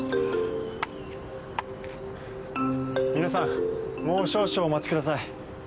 皆さんもう少々お待ちください。